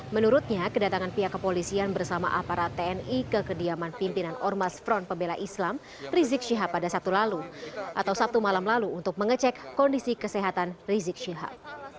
menurutnya kedatangan pihak kepolisian bersama aparat tni ke kediaman pimpinan ormas front pembela islam rizik syihab pada sabtu lalu atau sabtu malam lalu untuk mengecek kondisi kesehatan rizik syihab